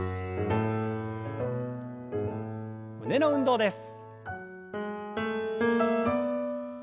胸の運動です。